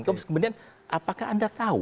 kemudian apakah anda tahu